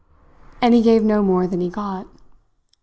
And he gave no more than he got.